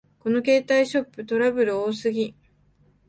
この携帯ショップ、トラブル多すぎ